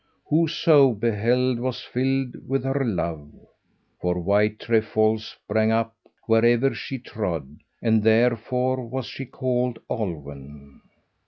Whoso beheld was filled with her love. Four white trefoils sprang up wherever she trod, and therefore was she called Olwen.